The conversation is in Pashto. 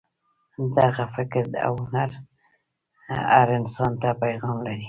دغه فکر او هنر هر انسان ته پیغام لري.